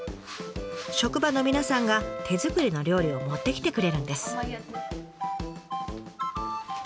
職場の皆さんが手作りの料理を持ってきてくれるんです。